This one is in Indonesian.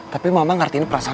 tidak pernah aku miliki buat kamu